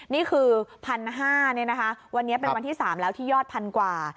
นี่คือ๑๕๐๐วันนี้เป็นวันที่๓แล้วที่ยอดพันกว่า